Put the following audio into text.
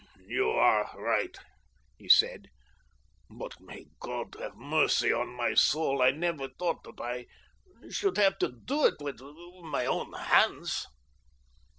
"You are right," he said, "but may God have mercy on my soul. I never thought that I should have to do it with my own hands."